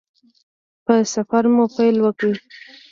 په سفر مو پیل وکړ.